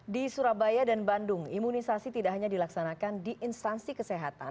di surabaya dan bandung imunisasi tidak hanya dilaksanakan di instansi kesehatan